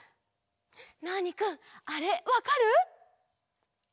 ナーニくんあれわかる？